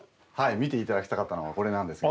見て頂きたかったのはこれなんですよ。